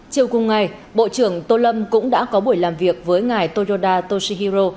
chiều cùng ngày bộ trưởng tô lâm cũng đã có buổi làm việc với ngài toroda toshihiro